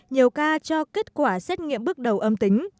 nhiều ca cho kết quả xét nghiệm bước đầu âm tính